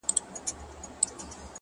o هغه نجلۍ مي اوس پوښتنه هر ساعت کوي؛